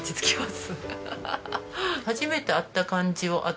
初めて会った感じを与えない。